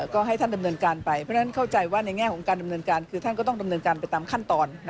ก็ให้ท่านดำเนินการไปเพราะฉะนั้นเข้าใจว่าในแง่ของการดำเนินการคือท่านก็ต้องดำเนินการไปตามขั้นตอน